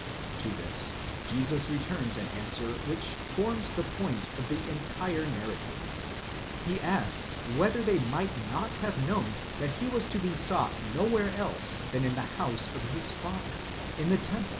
ΤῸ this Jesus returns an answer which forms the point of the entire narrative; he asks whether they might not have known that he was to be sought nowhere else than in the house of his Father, in the temple?